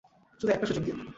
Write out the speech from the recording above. শুধু একটা সুযোগ দিন!